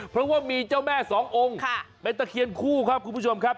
เพราะว่ามีเจ้าแม่สององค์เป็นตะเคียนคู่ครับคุณผู้ชมครับ